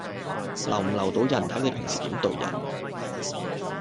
留唔留到人，睇你平時點對人